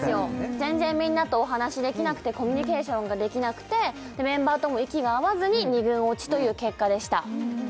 全然みんなとお話できなくてコミュニケーションができなくてメンバーとも息が合わずに２軍落ちという結果でした